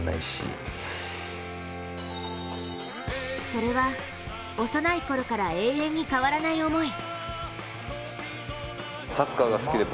それは、幼いころから永遠に変わらない想い。